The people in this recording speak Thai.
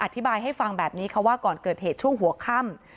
อธิบายให้ฟังแบบนี้ค่ะว่าก่อนเกิดเหตุช่วงหัวค่ำ